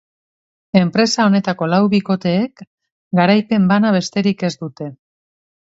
Enpresa honetako lau bikoteeek garaipen bana besterik ez dute.